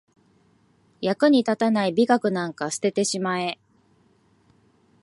役に立たない美学なんか捨ててしまえ